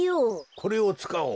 これをつかおう。